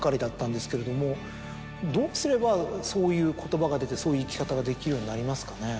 どうすればそういう言葉が出てそういう生き方ができるようになりますかね？